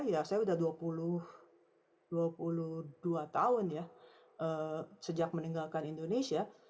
ya saya sudah dua puluh dua tahun ya sejak meninggalkan indonesia